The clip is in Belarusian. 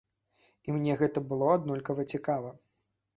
І мне гэта было аднолькава цікава.